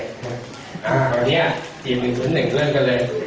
ตอนนี้อีกหนึ่งสุดหนึ่งเรื่องกันเลย